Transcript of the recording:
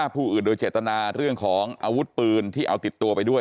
ผู้อื่นโดยเจตนาเรื่องของอาวุธปืนที่เอาติดตัวไปด้วย